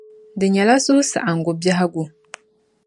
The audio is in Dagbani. Di nyɛla suhusaɣingu biɛhigu.